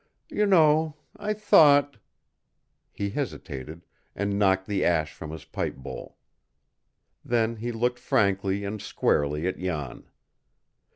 You know I thought " He hesitated, and knocked the ash from his pipe bowl. Then he looked frankly and squarely at Jan.